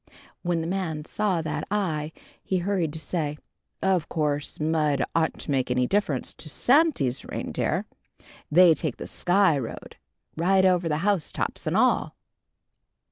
When the man saw that eye he hurried to say: "Of course mud oughtn't to make any difference to Santy's reindeer. They take the Sky Road, right over the house tops and all."